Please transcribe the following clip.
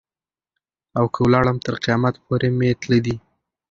او که ولاړم تر قیامت پوري مي تله دي.